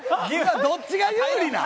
どっちが有利なん？